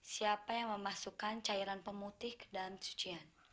siapa yang memasukkan cairan pemutih ke dalam cucian